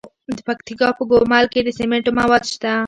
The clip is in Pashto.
د پکتیکا په ګومل کې د سمنټو مواد شته.